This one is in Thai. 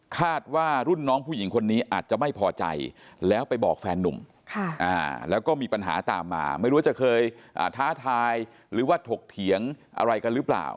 คาดว่ารุ่นน้องผู้หญิงคนนี้อาจจะไม่พอใจแล้วไปบอกแฟนนุ่มแล้วก็มีปัญหาตามมาไม่รู้ว่าจะเคยท้าทายหรือว่าถกเถียงอะไรกันหรือเปล่า